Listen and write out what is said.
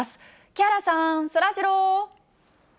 木原さん、そらジロー。